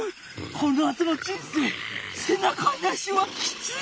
このあとの人生せなかなしはきつい！